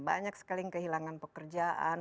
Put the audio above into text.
banyak sekali yang kehilangan pekerjaan